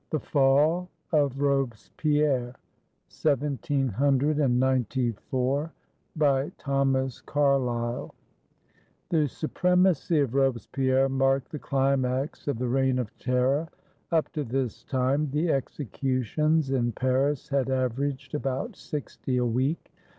THE FALL OF ROBESPIERRE BY THOMAS CARLYLE [The supremacy of Robespierre marked the climax of the Reign of Terror. Up to this time the executions in Paris had averaged about sixty a week.